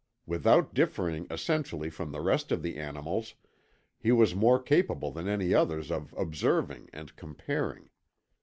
Without differing essentially from the rest of the animals, he was more capable than any others of observing and comparing.